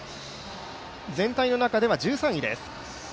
全体の中では１３位です。